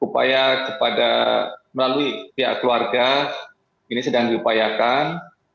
upaya kepada melalui pihak keluarga ini sedang diupayakan